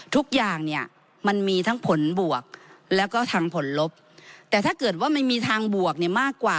ทุกอย่างเนี่ยมันมีทั้งผลบวกแล้วก็ทางผลลบแต่ถ้าเกิดว่ามันมีทางบวกเนี่ยมากกว่า